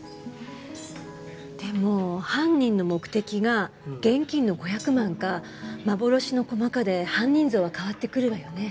でも犯人の目的が現金の５００万か幻の駒かで犯人像は変わってくるわよね。